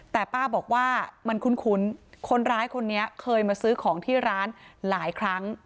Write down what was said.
แต่ป้าบอกว่ามันคุ้นคนร้ายคนนี้เคยมาซื้อของที่ร้านหลายครั้ง